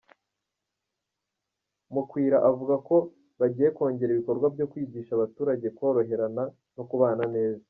Mukwira avuga ko bagiye kongera ibikorwa byo kwigisha abaturage koroherana no kubana neza.